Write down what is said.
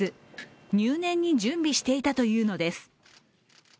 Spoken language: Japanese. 入念に準備していたというのです。